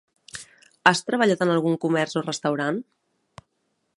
Has treballat en algun comerç o restaurant?